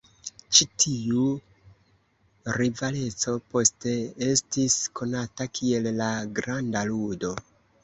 Ĉi tiu rivaleco poste estis konata kiel La Granda Ludo.